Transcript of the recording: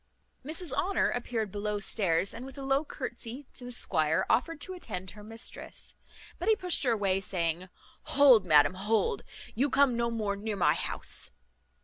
Mrs Honour appeared below stairs, and with a low curtesy to the squire offered to attend her mistress; but he pushed her away, saying, "Hold, madam, hold, you come no more near my house."